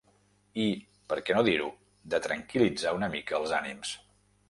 I, per què no dir-ho, de tranquil·litzar una mica els ànims.